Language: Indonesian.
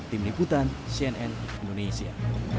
tim liputan cnn indonesia